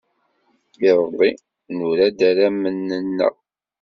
Iḍelli, nura-d arramen-nneɣ.